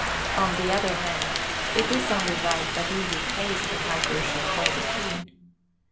On the other hand, it is only right that he who pays the piper should call the tune.